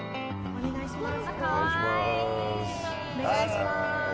お願いします。